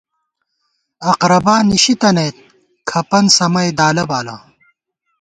اقرَبا نشی تنَئیت ، کھپَن سَمَئی دالہ بہ